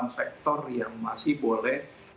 sektor yang masih boleh